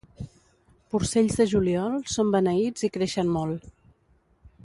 Porcells de juliol són beneïts i creixen molt.